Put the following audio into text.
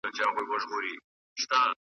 بیا ماشومانو ته بربنډي حوري .